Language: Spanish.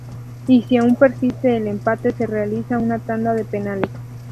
Y si aún persiste el empate se realizará una tanda de penales.